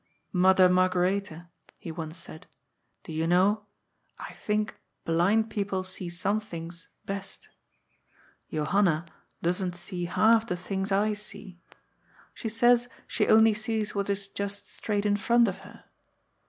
" Mother Margaretha," he once said, " do you know, I think blind people see some things best. Jo hanna doesn't see half the things I see. She says she only sees what is just straight in front of her.